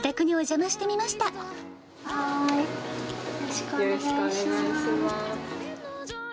後日、よろしくお願いします。